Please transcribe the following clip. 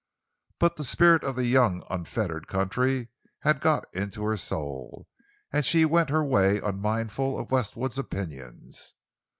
But the spirit of the young, unfettered country had got into her soul, and she went her way unmindful of Westwood's opinions.